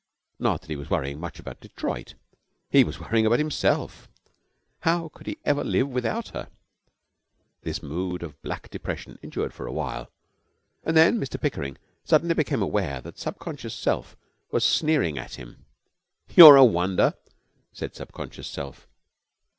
Not that he was worrying much about Detroit. He was worrying about himself. How could he ever live without her? This mood of black depression endured for a while, and then Mr Pickering suddenly became aware that Subconscious Self was sneering at him. 'You're a wonder!' said Subconscious Self.